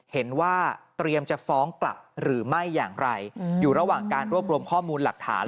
เห็นว่าเตรียมจะฟ้องกลับหรือไม่อย่างไรอยู่ระหว่างการรวบรวมข้อมูลหลักฐาน